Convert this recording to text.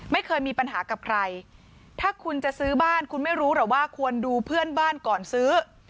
ไม่เคยมีปัญหากับใครถ้าคุณจะซื้อบ้านคุณไม่รู้หรอกว่าควรดูเพื่อนบ้านก่อนซื้อ